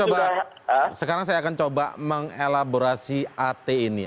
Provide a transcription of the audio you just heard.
coba sekarang saya akan coba mengelaborasi at ini